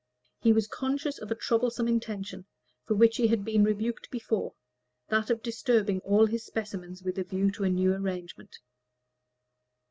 He was conscious of a troublesome intention, for which he had been rebuked before that of disturbing all his specimens with a view to a new arrangement.